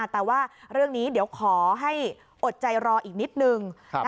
แต่ว่าเรื่องนี้เดี๋ยวขอให้อดใจรออีกนิดนึง